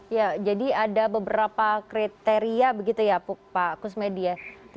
ya jadi ada beberapa kriteria begitu ya pak kusmedi ya